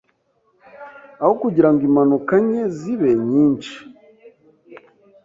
Aho kugirango impanuka nke zibe nyinshi